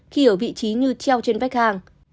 khi ở vị trí như treo trên vách hàng